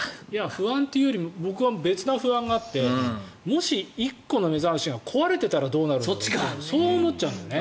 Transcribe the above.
不安というより僕は別な不安があってもし、１個の目覚ましが壊れていたらどうなるだろうってそう思っちゃうんだよね。